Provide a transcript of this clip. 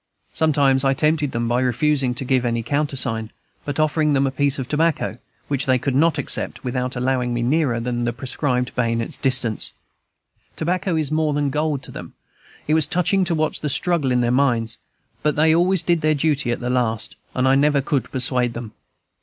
Sometimes I tempted them by refusing to give any countersign, but offering them a piece of tobacco, which they could not accept without allowing me nearer than the prescribed bayonet's distance. Tobacco is more than gold to them, and it was touching to watch the struggle in their minds; but they always did their duty at last, and I never could persuade them.